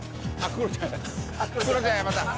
クロちゃんやまた。